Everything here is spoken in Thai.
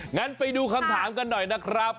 งั้นไปดูคำถามกันหน่อยนะครับ